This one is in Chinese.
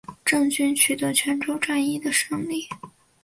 郑军取得泉州战役的胜利。